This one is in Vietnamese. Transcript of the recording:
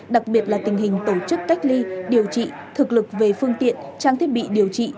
đặc biệt là tình hình tổ chức cách ly điều trị thực lực về phương tiện trang thiết bị điều trị